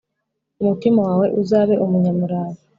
Umutima wawe uzabe umunyamurava,